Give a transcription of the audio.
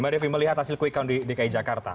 mbak devi melihat hasil quick count di dki jakarta